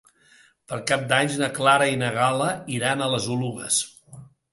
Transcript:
Per Cap d'Any na Clara i na Gal·la iran a les Oluges.